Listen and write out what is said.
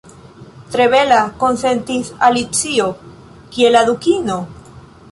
"Tre bela," konsentis Alicio. "Kie la Dukino?"